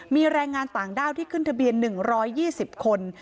มีแรงงานต่างด้าวที่ขึ้นทะเบียน๑๒๐คน